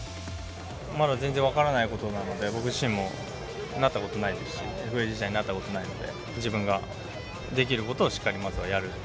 まだ全然分からないことなので、僕自身もなったことないですし、ＦＡ自体、なったことないので、自分ができることをしっかりまずはやる。